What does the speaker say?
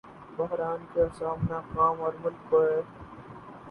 بحران کا سامنا قوم اورملک کو ہے۔